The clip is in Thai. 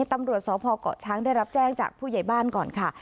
ตำรวจสพเกาะช้างได้รับแจ้งจากผู้ใหญ่บ้านก่อนค่ะ